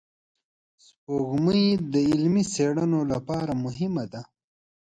سپوږمۍ د علمي څېړنو لپاره مهمه ده